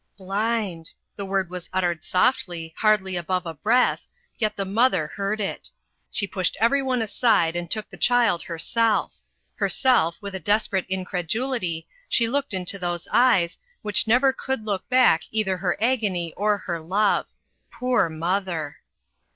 "BLIND!" The word was uttered softly, hardly above a breath, yet the mother heard it. She pushed every one aside, and took the child herself. Herself, with a desperate incredulity, she looked into those eyes, which never could look back either her agony or her love. Poor mother!